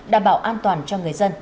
đảm bảo an toàn cho người dân